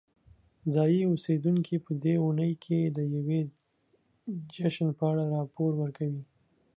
ځایی اوسیدونکي په دې اونۍ کې د یوې جشن په اړه راپور ورکوي.